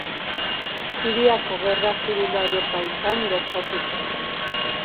Siriako Gerra Zibilaren baitan gertatu zen.